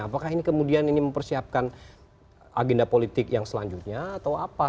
apakah ini kemudian ini mempersiapkan agenda politik yang selanjutnya atau apa